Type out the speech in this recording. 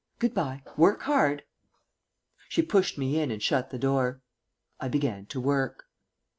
Good bye. Work hard." She pushed me in and shut the door. I began to work.